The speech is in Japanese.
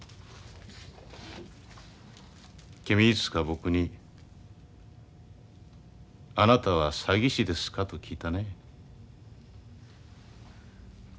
君いつか僕に「あなたは詐欺師ですか？」と聞いたね。